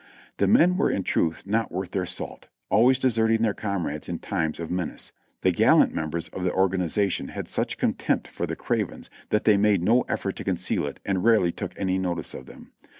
The men were in truth not worth their salt, always deserting their comrades in times of menace. The gallant members of the' organization had such contempt for the cravens that they made no effort to conceal it and rarely took any notice of them.